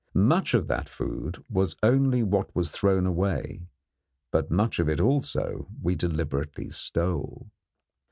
Much of that food was only what was thrown away, but much of it also we deliberately stole.